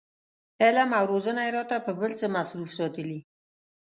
علم او روزنه یې راته په بل څه مصروف ساتلي.